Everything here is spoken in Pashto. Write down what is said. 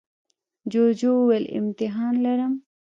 جوجو وویل امتحان لرم.